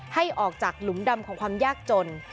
ให้ออกจากหลุมดำของความยากจน